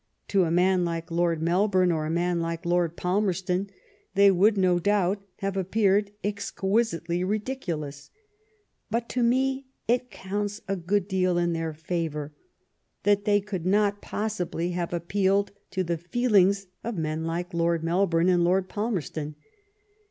To a man like Lord Melbourne or a man like Lord Palmerston they would, no doubt, have appeared exquisitely ridiculous. But to me it counts a good deal in their favor that they could not possibly have ^6 THE STORY OF GLADSTONE'S LIFE appealed to the feelings of men like Lord Mel bourne and Lord Palmerston.